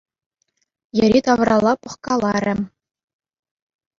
Йӗри-тавралла пӑхкаларӗ.